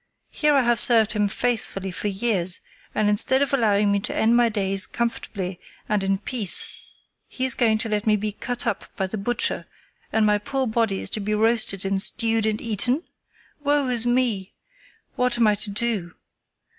Here I have served him faithfully for years, and instead of allowing me to end my days comfortably and in peace, he is going to let me be cut up by the butcher, and my poor body is to be roasted and stewed and eaten? Woe is me! What am I to do.